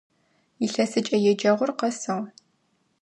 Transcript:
Илъэсыкӏэ еджэгъур къэсыгъ.